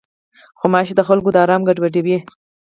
غوماشې د خلکو د آرام ګډوډوي.